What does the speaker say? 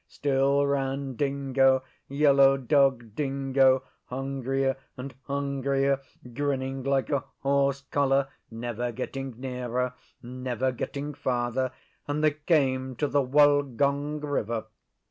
Still ran Dingo Yellow Dog Dingo hungrier and hungrier, grinning like a horse collar, never getting nearer, never getting farther; and they came to the Wollgong River.